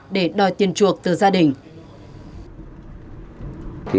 để đòi tiền chuộc từ gia đình